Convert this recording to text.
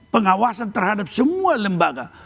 pengawasan terhadap semua lembaga